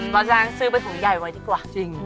ก็จะซื้อเป็นของใหญ่ไว้ดีกว่า